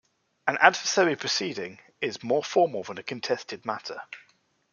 An adversary proceeding is more formal than a contested matter.